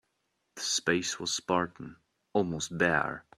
The space was spartan, almost bare.